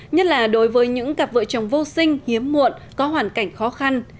nhất là đối với những cặp vợ chồng vô sinh hiếm muộn có hoàn cảnh khó khăn